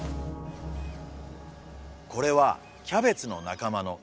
これはキャベツの仲間のナズナ。